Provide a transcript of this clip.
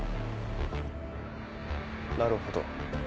なるほど。